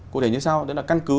cụ thể như sau đây là căn cứ